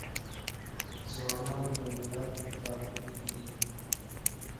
ځوانان د ملت راتلونکې دي.